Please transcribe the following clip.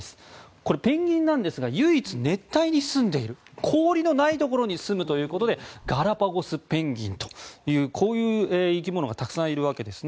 これ、ペンギンなんですが唯一、熱帯にすんでいる氷のないところにすむということでガラパゴスペンギンというこういう生き物がたくさんいるわけですね。